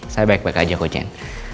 saya baik baik aja kok jen